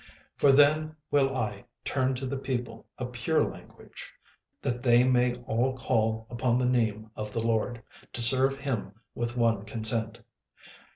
36:003:009 For then will I turn to the people a pure language, that they may all call upon the name of the LORD, to serve him with one consent.